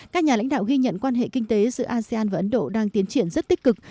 các nhà lãnh đạo ghi nhận quan hệ kinh tế giữa asean và ấn độ đang tiến triển rất tích cực